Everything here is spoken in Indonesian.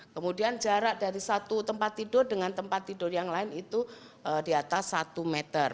kemudian jarak dari satu tempat tidur dengan tempat tidur yang lain itu di atas satu meter